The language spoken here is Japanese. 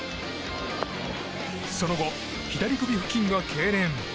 その後、左首付近がけいれん。